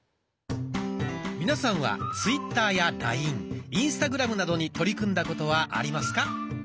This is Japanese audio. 皆さんはツイッターやラインインスタグラムなどに取り組んだことはありますか？